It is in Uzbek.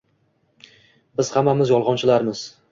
Biz hammamiz-yolg’onchilarmiz.